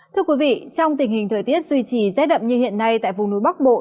thưa quý vị trong tình hình thời tiết duy trì rét đậm như hiện nay tại vùng núi bắc bộ